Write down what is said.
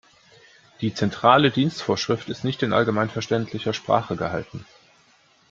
Die Zentrale Dienstvorschrift ist nicht in allgemeinverständlicher Sprache gehalten.